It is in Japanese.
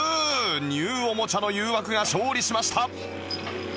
ニューおもちゃの誘惑が勝利しました